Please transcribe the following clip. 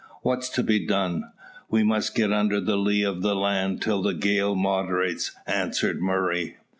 "What's to be done?" "We must get under the lee of the land till the gale moderates," answered Murray.